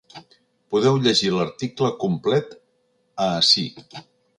Podeu llegir l’article complet a ací.